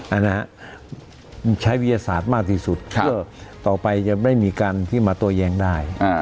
และใช้วิทยาศาสตร์มากที่สุดเพื่อต่อไปไม่มีท๊อปไม่มีการที่มาตัวยึงได้